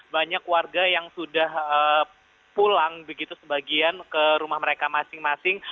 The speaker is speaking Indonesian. banyak warga yang sudah pulang begitu sebagian ke rumah mereka masing masing